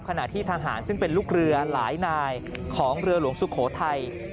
ขณะที่ทหารซึ่งเป็นลูกเรือหลายนายของเรือหลวงสุโขทัย